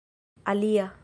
alia